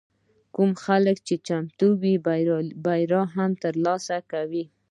خو کوم خلک چې چمتو وي، بریا هم ترلاسه کوي.